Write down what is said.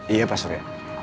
iya pak surya